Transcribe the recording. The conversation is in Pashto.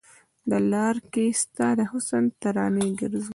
د لار کې ستا د حسن ترانې ګرځو